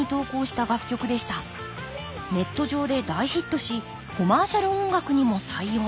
ネット上で大ヒットしコマーシャル音楽にも採用。